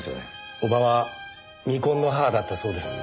叔母は未婚の母だったそうです。え。